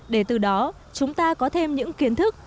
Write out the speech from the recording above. để từ đó chúng ta có thêm những kiến thức